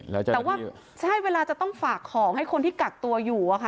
แต่ว่าใช่เวลาจะต้องฝากของให้คนที่กักตัวอยู่อะค่ะ